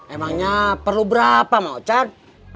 emangnya perlu berapa mang ochan